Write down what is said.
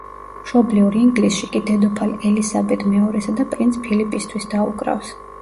მშობლიურ ინგლისში კი დედოფალ ელისაბედ მეორესა და პრინც ფილიპისთვის დაუკრავს.